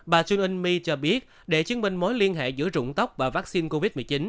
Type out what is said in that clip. bà jun in mi cho biết để chứng minh mối liên hệ giữa rụng tóc và vaccine covid một mươi chín